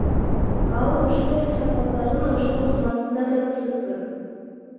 Ал ушул эле сапаттарын ошол кызматында да көрсөткөн.